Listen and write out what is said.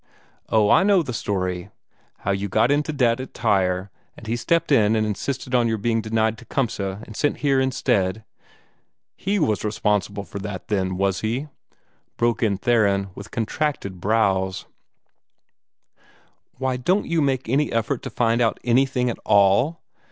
Oh, I know the story how you got into debt at Tyre, and he stepped in and insisted on your being denied Tecumseh and sent here instead." "HE was responsible for that, then, was he?" broke in Theron, with contracted brows. "Why, don't you make any effort to find out anything at ALL?"